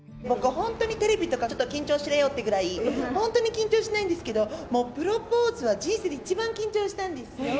本当にテレビとか、ちょっと緊張しろよっていうぐらい、本当に緊張しないんですけど、もうプロポーズは人生で一番緊張したんですよ。